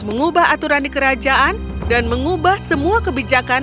mengubah aturan di kerajaan dan mengubah semua kebijakan